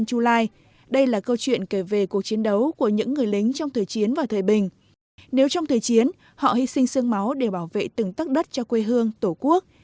trong thời chiến họ hy sinh sương máu để bảo vệ từng tắc đất cho quê hương tổ quốc